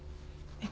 えっ。